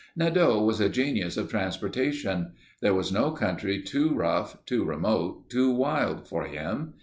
Nadeau was a genius of transportation. There was no country too rough, too remote, too wild for him.